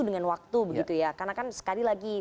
dengan waktu begitu ya karena kan sekali lagi